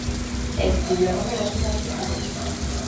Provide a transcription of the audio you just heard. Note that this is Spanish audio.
Escribió numerosos artículos.